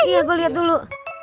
iya gua liat dulu